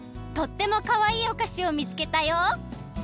とってもかわいいおかしをみつけたよ。